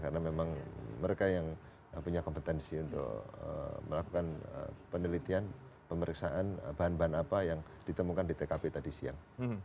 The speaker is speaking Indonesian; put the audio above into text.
karena memang mereka yang punya kompetensi untuk melakukan penelitian pemeriksaan bahan bahan apa yang ditemukan di tkp tadi siang